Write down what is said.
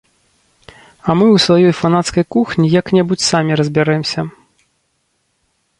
А мы ў сваёй фанацкай кухні як-небудзь самі разбярэмся.